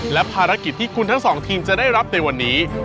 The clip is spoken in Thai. และภารกิจที่คุณทั้งสองทีมจะได้รับในวันนี้